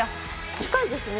近いですね。